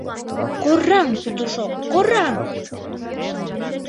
— Кораҥ, Петушок, кораҥ!